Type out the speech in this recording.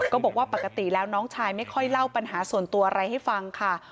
บอกว่าปกติแล้วน้องชายไม่ค่อยเล่าปัญหาส่วนตัวอะไรให้ฟังค่ะ